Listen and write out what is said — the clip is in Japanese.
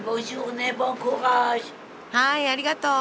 はいありがとう。